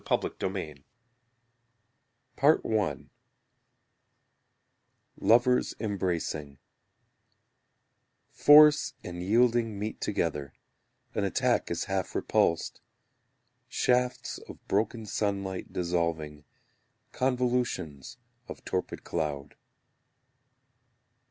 Part I Lovers Embracing Force and yielding meet together: An attack is half repulsed. Shafts of broken sunlight dissolving Convolutions of torpid cloud.